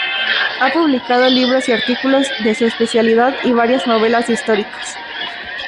Ha publicado libros y artículos de su especialidad y varias novelas históricas.